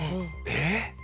えっ？